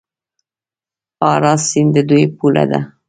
اراس سیند د دوی پوله ده.